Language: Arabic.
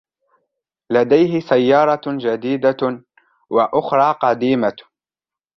لديه سيارة جديدة و أخرى قديمة.